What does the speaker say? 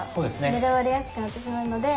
狙われやすくなってしまうので。